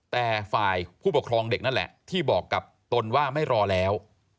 แต่ฝ่ายผู้ปกครองเด็กนั่นแหละที่บอกกับตนว่าไม่รอแล้ว